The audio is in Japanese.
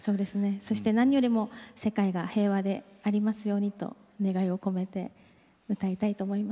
そして何よりも世界が平和でありますようにと願いを込めて歌いたいと思います。